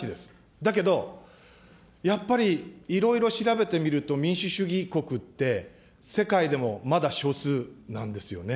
だけど、やっぱりいろいろ調べてみると、民主主義国って、世界でもまだ少数なんですよね。